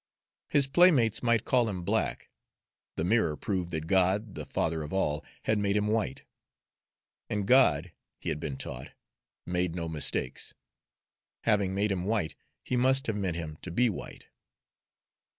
His playmates might call him black; the mirror proved that God, the Father of all, had made him white; and God, he had been taught, made no mistakes, having made him white, He must have meant him to be white.